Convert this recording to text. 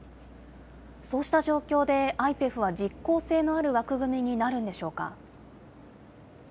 そうした状況で、ＩＰＥＦは実効性のある枠組みになるんでし